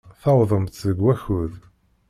Tuwḍemt deg wakud.